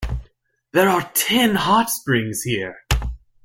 There are ten hot springs here.